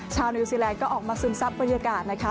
นิวซีแลนดก็ออกมาซึมซับบรรยากาศนะคะ